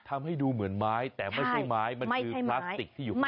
ทำให้ดูเหมือนไม้แต่ไม่ใช่ไม้ไม่ใช่ไม้มันคือพลาสติกที่อยู่ใน